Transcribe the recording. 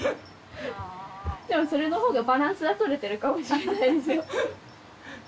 でもそれの方がバランスは取れてるかもしれないですよ。